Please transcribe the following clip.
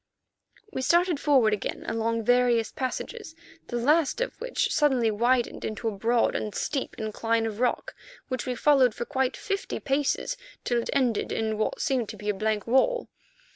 We started forward again along various passages, the last of which suddenly widened into a broad and steep incline of rock, which we followed for quite fifty paces till it ended in what seemed to be a blank wall.